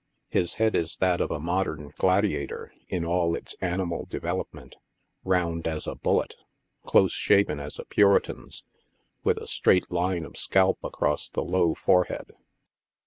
His head i3 that of a modern gladiator in all its animal development— round as a bullet, close shaven as a Puritan's, with a straight line of scalp across the low forehead.